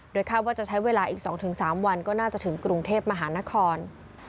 คาดว่าจะใช้เวลาอีก๒๓วันก็น่าจะถึงกรุงเทพมหานคร